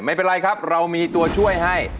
ไม่เป็นไรครับเรามีตัวช่วยให้